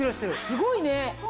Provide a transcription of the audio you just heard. すごいね！